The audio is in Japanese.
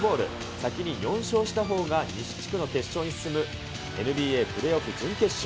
先に４勝したほうが西地区の決勝に進むＮＢＡプレーオフ準決勝。